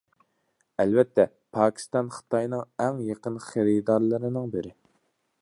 ئەلۋەتتە، پاكىستان خىتاينىڭ ئەڭ يېقىن خېرىدارلىرىنىڭ بىرى.